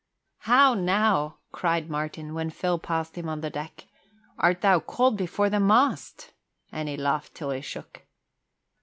"How now," cried Martin when Phil passed him on the deck. "Art thou called before the mast?" And he laughed till he shook.